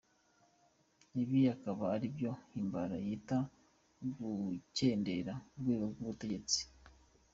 Ibi akaba aribyo Himbara yita gukendera k’urwego rw’ubutegetsi.